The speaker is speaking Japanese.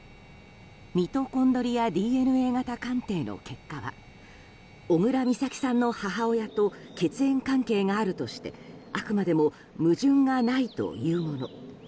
ミトコンドリアＤＮＡ型鑑定の結果は小倉美咲さんの母親と血縁関係があるとしてあくまでも矛盾はないというもの。